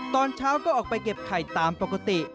ตอนเช้าก็ออกไปเก็บไข่ตามปกติ